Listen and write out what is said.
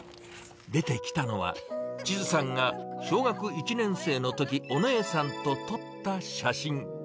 出てきたのは、千都さんが小学１年生のとき、お姉さんと撮った写真。